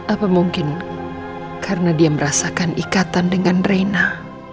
apa mungkin karena dia merasakan ikatan dengan reina